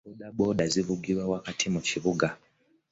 Boodabooda ngivugira wakati mu kibuga.